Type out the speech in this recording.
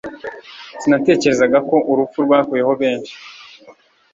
Sinatekerezaga ko urupfu rwakuyeho benshi